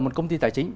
một công ty tài chính